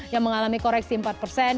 yang mengalami koreksi empat persen